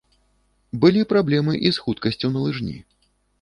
Былі праблемы і з хуткасцю на лыжні.